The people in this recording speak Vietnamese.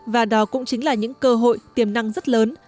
và đó cũng chính là những cơ hội tiềm năng rất lớn